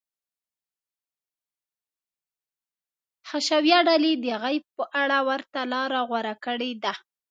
حشویه ډلې د غیب په اړه ورته لاره غوره کړې ده.